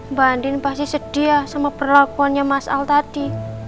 mbak andin pasti sedia sama perlakuannya mas al tadi